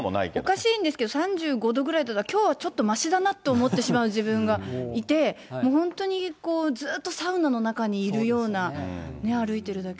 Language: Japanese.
おかしいんですけど、３５度ぐらいだったら、きょうはちょっとましだなと思ってしまう自分がいて、もう本当にこう、ずーっとサウナの中にいるような、歩いてるだけで。